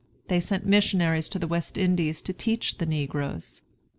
They sent missionaries to the West Indies to teach the negroes.